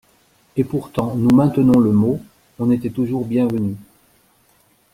Et pourtant, nous maintenons le mot, on était toujours bienvenu.